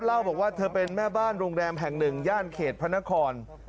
เล่าบอกว่าเธอเป็นแม่บ้านโรงแรมแห่งหนึ่งย่านเขตพระนคร